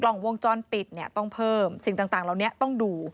ล่องวงจรปิดเนี่ยต้องเพิ่มสิ่งต่างเหล่านี้ต้องดู